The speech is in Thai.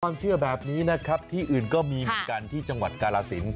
เชื่อแบบนี้นะครับที่อื่นก็มีเหมือนกันที่จังหวัดกาลสิน